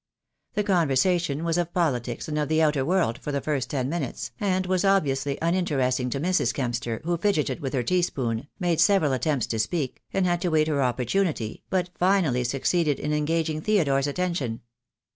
The conversation was of politics and of the outer world for the first ten minutes, and was obviously unin teresting to Mrs. Kempster, who fidgeted with her teaspoon, made several attempts to speak, and had to wait her opportunity, but finally succeeded in engaging Theodore's attention.